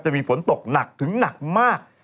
ฝนตกหนักถึงหนักมาก